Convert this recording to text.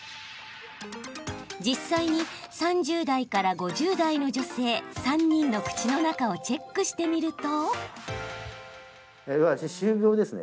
実際に、３０代から５０代の女性３人の口の中をチェックしてみると。